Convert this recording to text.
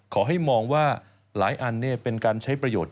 ขอให้มองว่าหลายอันเป็นการใช้ประโยชน